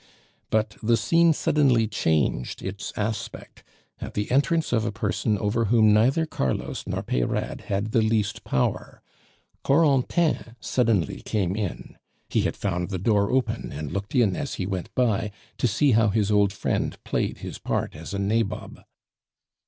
But the scene suddenly changed its aspect at the entrance of a person over whom neither Carlos nor Peyrade had the least power. Corentin suddenly came in. He had found the door open, and looked in as he went by to see how his old friend played his part as nabob.